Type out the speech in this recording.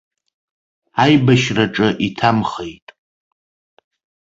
Аибашьраҿы иҭамхеит.